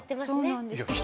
そうなんです。